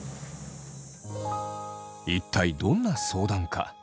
一体どんな相談か。